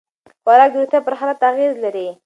خوراک د روغتیا پر حالت اغېز لري.